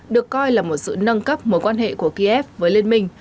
được coi là một sự nâng cấp mối quan hệ của kiev với liên minh